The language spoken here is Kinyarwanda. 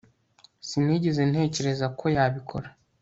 sinigeze ntekereza ko yabikora